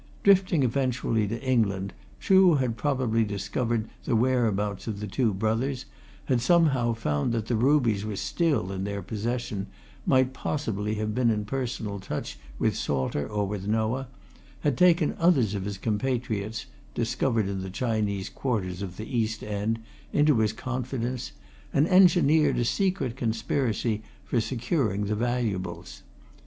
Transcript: Drifting eventually to England, Chuh had probably discovered the whereabouts of the two brothers, had somehow found that the rubies were still in their possession, might possibly have been in personal touch with Salter or with Noah, had taken others of his compatriots, discovered in the Chinese quarters of the East End into his confidence, and engineered a secret conspiracy for securing the valuables.